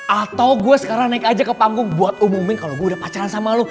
atau gue sekarang naik aja ke panggung buat umumin kalau gue udah pacaran sama lo